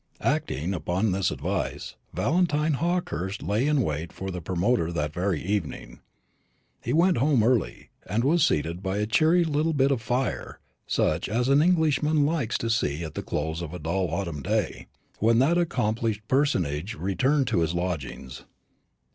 Acting upon this advice, Valentine Hawkehurst lay in wait for the Promoter that very evening. He went home early, and was seated by a cheery little bit of fire, such as an Englishman likes to see at the close of a dull autumn day, when that accomplished personage returned to his lodgings.